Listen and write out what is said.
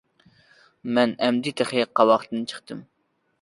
- مەن ئەمدى تېخى قاۋاقتىن چىقتىم.